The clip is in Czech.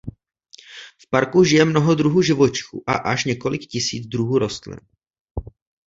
V parku žije mnoho druhů živočichů a až několik tisíc druhů rostlin.